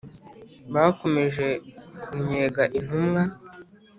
Bakomeje kunnyega intumwa